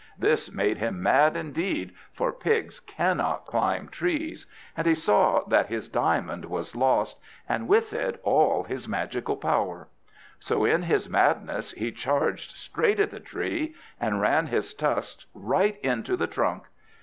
This made him mad indeed, for pigs cannot climb trees, and he saw that his diamond was lost, and with it all his magical power; so in his madness he charged straight at the tree, and ran his tusks right into the trunk.